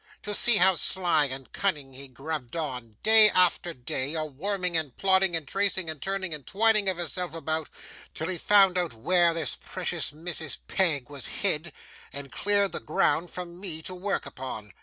To see how sly and cunning he grubbed on, day after day, a worming and plodding and tracing and turning and twining of hisself about, till he found out where this precious Mrs. Peg was hid, and cleared the ground for me to work upon.